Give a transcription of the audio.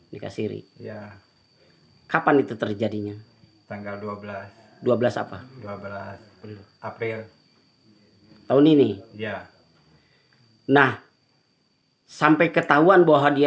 dikasih ri ya kapan itu terjadinya tanggal dua belas dua belas apa dua belas april tahun ini ya nah sampai ketahuan bahwa dia